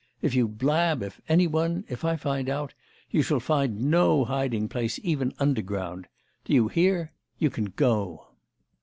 if you blab if any one if I find out you shall find no hiding place even underground! Do you hear? You can go!